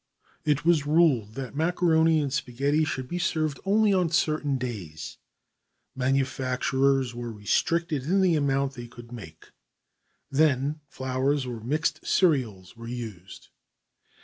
It was ruled that macaroni and spaghetti could be served only on certain days. Manufacturers were restricted in the amount they could make. Then flours of mixed cereals were used.